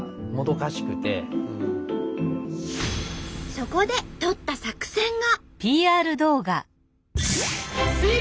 そこでとった作戦が。